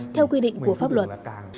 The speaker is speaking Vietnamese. theo quy định của pháp luật